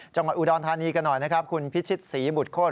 จังหวัดอุดรธานีกันหน่อยนะครับคุณพิชิตศรีบุตรโคตร